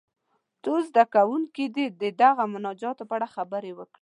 څو زده کوونکي دې د دغه مناجات په اړه خبرې وکړي.